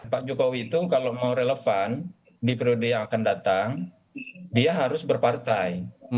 pak jokowi itu kalau mau relevan di periode yang akan datang dia harus berpartai